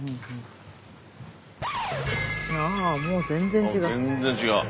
あもう全然違う。